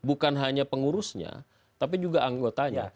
bukan hanya pengurusnya tapi juga anggotanya